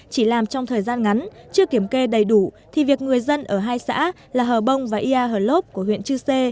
chỉ làm trong thời gian ngắn chưa kiểm kê đầy đủ thì việc người dân ở hai xã là hờ bông và ia hờ lốp của huyện chư sê